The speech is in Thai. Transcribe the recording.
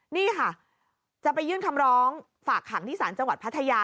นี่ค่ะจะไปยื่นคำร้องฝากขังที่ศาลจังหวัดพัทยา